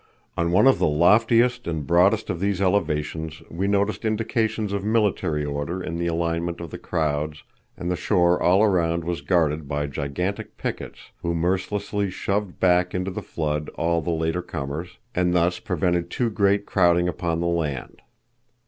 On one of the loftiest and broadest of these elevations we noticed indications of military order in the alignment of the crowds and the shore all around was guarded by gigantic pickets, who mercilessly shoved back into the flood all the later comers, and thus prevented too great crowding upon the land.